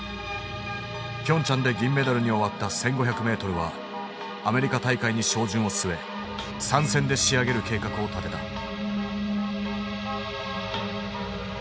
ピョンチャンで銀メダルに終わった１，５００ｍはアメリカ大会に照準を据え３戦で仕上げる計画を立てた。